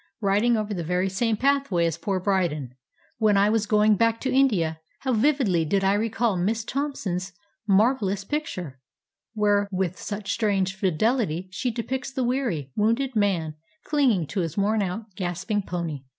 Riding over the very same pathway as poor Brydon, when I was going back to India, how vividly did I recall Miss Thompson's marvelous picture, where with such strange fidehty she depicts the weary, wounded man cHnging to his worn out, gasping pony.